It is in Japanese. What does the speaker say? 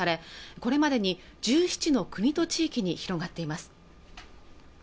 これまでに１７の国と地域に広がっています